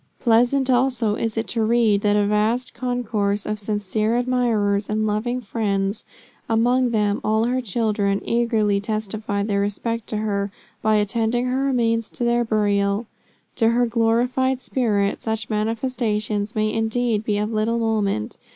Pleasant also is it to read that a vast concourse of sincere admirers and loving friends, and among them all her children, eagerly testified their respect to her, by attending her remains to their burial. To her glorified spirit such manifestations may indeed be of little moment.